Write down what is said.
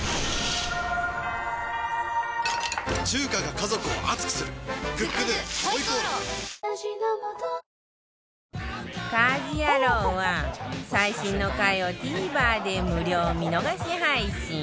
『家事ヤロウ！！！』は最新の回を ＴＶｅｒ で無料見逃し配信